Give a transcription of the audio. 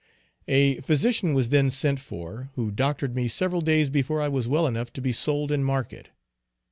A physician was then sent for, who doctored me several days before I was well enough to be sold in market.